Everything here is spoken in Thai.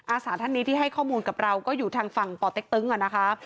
อาสาท่านนี้ที่ให้ข้อมูลกับเราก็อยู่ทางฝั่งป่อเต็กตึ๊งอ่ะนะคะ